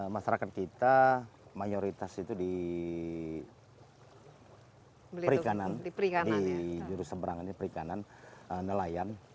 masyarakat kita mayoritas itu di perikanan di juruseberangannya perikanan nelayan